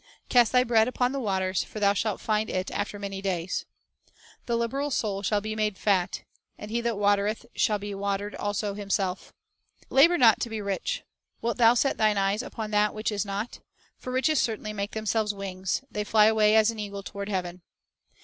"Cast thy bread upon the waters; for thou shalt find it after many days." "The liberal soul shall be made fat; and he that watereth shall be watered also himself." 1 "Labor not to be rich. ... Wilt thou set thine eyes upon that which is not? for riches certainly make themselves wings; they fly away as an eagle toward heaven."